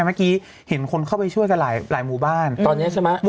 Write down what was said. เมื่อกี้เห็นคนเข้าไปช่วยกันหลายหมู่บ้านตอนนี้ใช่ไหม